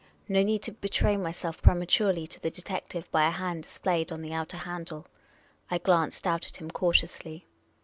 No need to betray myself prematurely to the detective by a hand displayed on the outer handle. I glanced out at him cautiously.